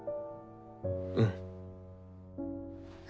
うん。